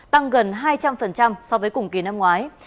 tăng gần hai trăm linh so với cùng kỳ năm ngoái